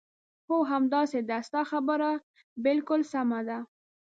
هو، همداسې ده، ستا خبره بالکل سمه ده.